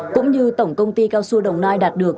cũng như tổng công ty cao xu đồng nai đạt được